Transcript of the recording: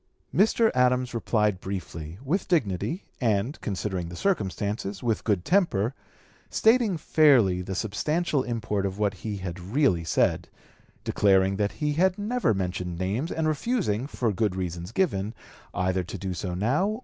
Mr. Adams replied briefly, with dignity, and, considering the circumstances, with good temper, stating fairly the substantial import of what he had really said, declaring that he had never mentioned names, and refusing, for good reasons given, either to do so now (p.